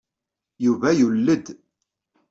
Yuba yulel-d.